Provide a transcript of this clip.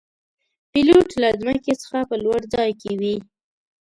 پیلوټ له ځمکې څخه په لوړ ځای کې وي.